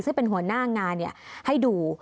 ซึ่งเป็นหัวหน้างานให้ดู